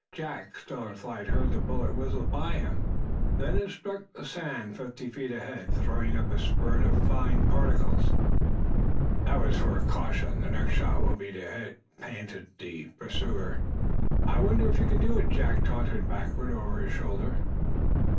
Jack, still in flight, heard the bullet whistle by him. Then it struck the sand, fifty feet ahead, throwing up a spurt of the fine particles. "That was for a caution. The next shot will be to hit!" panted the pursuer. "I wonder if you can do it?" Jack taunted backward over his shoulder.